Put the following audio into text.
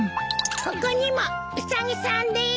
ここにもウサギさんでーす。